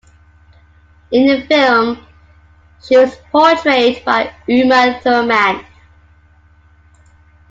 In the film, she was portrayed by Uma Thurman.